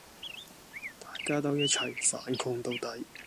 大家都一齊反抗到底